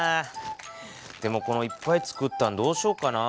でもこのいっぱいつくったんどうしよっかな。